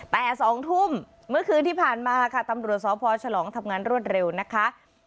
แต่๒ทุ่มเมื่อคืนที่ผ่านมาค่ะตำรวจสพฉลองทำงานรวดเร็วนะคะ